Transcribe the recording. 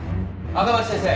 赤巻先生？